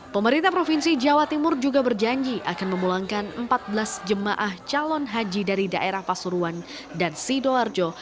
pemerintah provinsi jawa timur juga berjanji akan memulangkan empat belas jemaah calon haji dari daerah pasuruan dan sidoarjo